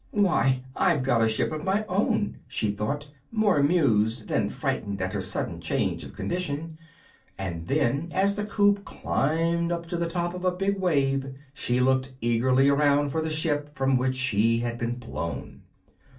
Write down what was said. "Why, I've got a ship of my own!" she thought, more amused than frightened at her sudden change of condition; and then, as the coop climbed up to the top of a big wave, she looked eagerly around for the ship from which she had been blown.